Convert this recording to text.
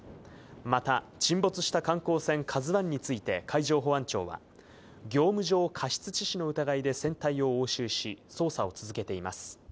また沈没した観光船「ＫＡＺＵ１」について、海上保安庁は業務上過失致死の疑いで船体を押収し捜査を続けています。